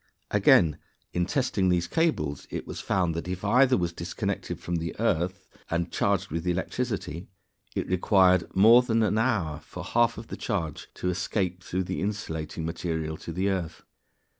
Again, in testing these cables it was found that if either was disconnected from the earth and charged with electricity, it required more than an hour for half of the charge to escape through the insulating material to the earth.